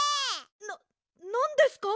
なんですか？